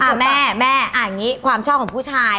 แม่แม่อย่างนี้ความชอบของผู้ชาย